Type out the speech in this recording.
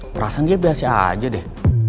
perasaan dia biasa aja deh